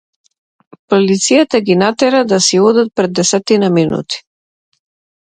Полицијата ги натера да си одат пред десетина минути.